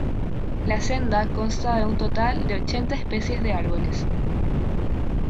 La senda consta de un total de ochenta especies de árboles.